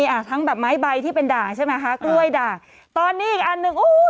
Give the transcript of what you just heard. อ่ะทั้งแบบไม้ใบที่เป็นด่างใช่ไหมคะกล้วยด่างตอนนี้อีกอันหนึ่งอุ้ย